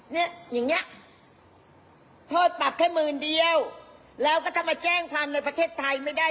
เนี้ยอย่างเงี้ยโทษปรับแค่หมื่นเดียวแล้วก็ถ้ามาแจ้งความในประเทศไทยไม่ได้